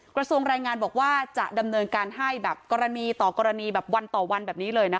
กระทรวงรายงานบอกว่าจะดำเนินการให้แบบกรณีต่อกรณีแบบวันต่อวันแบบนี้เลยนะคะ